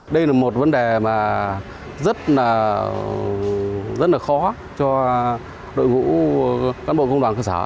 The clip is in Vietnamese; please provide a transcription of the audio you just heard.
đây là một vấn đề rất khó cho đội ngũ cán bộ công đoàn cơ sở